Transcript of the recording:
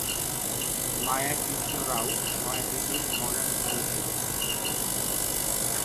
মায়া কৃষ্ণ রাও নয়াদিল্লির মডার্ন স্কুলে পড়েছেন।